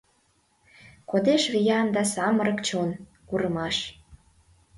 Кодеш виян да самырык чон, курымаш.